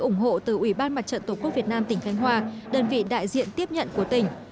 ủng hộ từ ủy ban mặt trận tổ quốc việt nam tỉnh khánh hòa đơn vị đại diện tiếp nhận của tỉnh